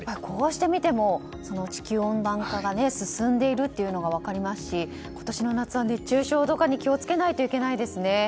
こうして見ても、地球温暖化が進んでいるというのが分かりますし今年の夏は熱中症とかに気を付けないといけないですね。